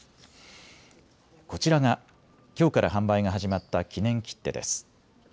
こちらが、きょうから販売が始まった記念切手です。